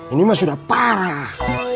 ini mah sudah parah